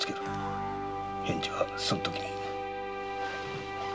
返事はそのときに。